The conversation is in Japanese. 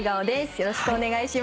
よろしくお願いします。